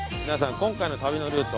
今回の旅のルート